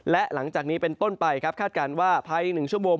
และหลังจากนี้เป็นต้นไปครับคาดการณ์ว่าภาย๑ชั่วโมง